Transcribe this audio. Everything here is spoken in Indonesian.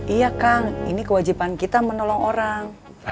iya kang ini kewajiban kita menolong orang